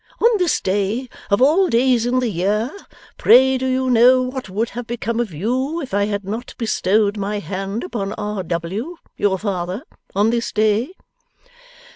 On this day, of all days in the year? Pray do you know what would have become of you, if I had not bestowed my hand upon R. W., your father, on this day?